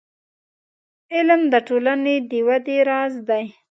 • علم، د ټولنې د ودې راز دی.